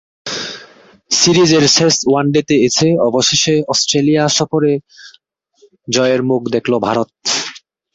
সিরিজের শেষ ওয়ানডেতে এসে অবশেষে অস্ট্রেলিয়া সফরে জয়ের মুখ দেখল ভারত।